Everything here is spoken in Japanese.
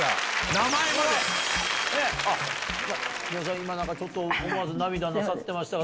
今思わず涙なさってましたが。